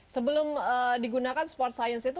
sebelum digunakan sport science itu